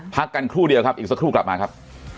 พักกันครู่เดียวครับอีกสักครู่กลับมาครับ